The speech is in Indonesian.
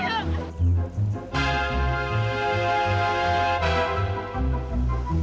itu orang terbunuh